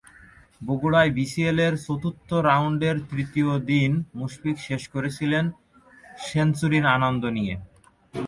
বগুড়ায় বিসিএলের চতুর্থ রাউন্ডের তৃতীয় দিন মুশফিক শেষ করেছিলেন সেঞ্চুরির আনন্দ নিয়ে।